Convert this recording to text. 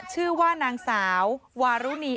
ชื่อว่านางสาววารุณี